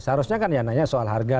seharusnya kan ya nanya soal harga